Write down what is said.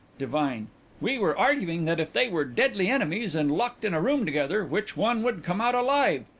DIVINE: We were arguing that if they were deadly enemies and locked in a room together which one would come out alive.